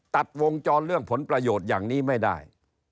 ตัดวงจรเรื่องผลประโยชน์อย่างนี้ไม่ได้